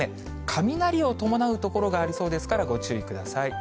雷を伴う所がありそうですからご注意ください。